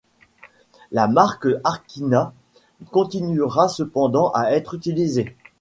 La marque Arkina continuera cependant à être utilisée.